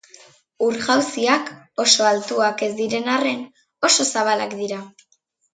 Ur-jauziak oso altuak ez diren arren oso zabalak dira.